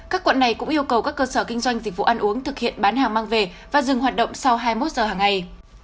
các quận này cũng yêu cầu các cơ sở kinh doanh dịch vụ ăn uống thực hiện bán hàng mang về và dừng hoạt động sau hai mươi một giờ hàng ngày